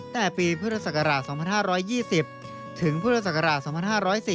แต่ปีพฤศกราช๒๕๒๐ถึงพฤศกราช๒๕๔๐